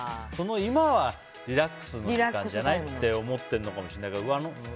今はリラックスじゃないって思ってるのかもしれないけど。